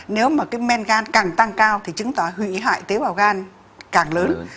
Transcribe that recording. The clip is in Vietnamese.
nếu mà cái men gan càng tăng cao thì chứng tỏ hủy hoại tế bào gan càng lớn